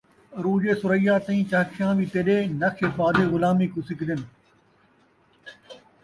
عروجِ ثریاّ اتیں کہکشاں وی تیڈے نقشِ پا دی غلامی کوں سکدن